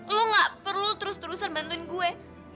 lo gak perlu terus terusan bantuin gue